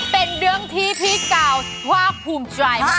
เป็นเรื่องที่พี่กาวภาคภูมิใจมาก